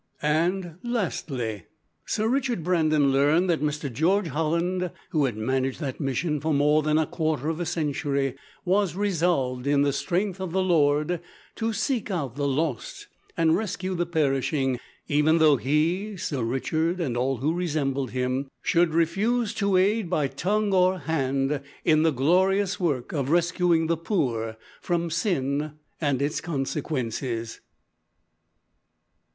And, lastly, Sir Richard Brandon learned that Mr George Holland, who had managed that mission for more than quarter of a century, was resolved, in the strength of the Lord, to seek out the lost and rescue the perishing, even though he, Sir Richard, and all who resembled him, should refuse to aid by tongue or hand in the glorious work of rescuing the poor from sin and its consequences.